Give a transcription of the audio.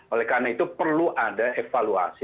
oleh karena itu perlu ada evaluasi